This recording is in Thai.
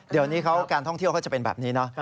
เดี๋ยวนี้เขาการท่องเที่ยวเขาจะเป็นแบบนี้เนอะ